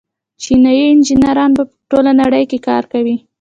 چیني انجنیران په ټوله نړۍ کې کار کوي.